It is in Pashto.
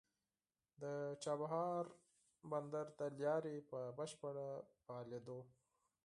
د چابهار بندر د لارې په بشپړ فعالېدو